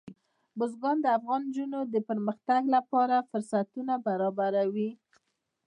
بزګان د افغان نجونو د پرمختګ لپاره فرصتونه برابروي.